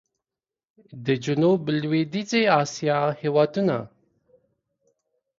د جنوب لوېدیځي اسیا هېوادونه